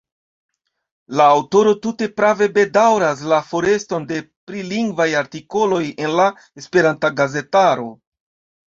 La aŭtoro tute prave bedaŭras la foreston de prilingvaj artikoloj en la esperanta gazetaro.